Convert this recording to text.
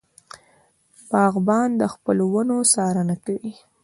باغبان د خپلو ونو څارنه کوي.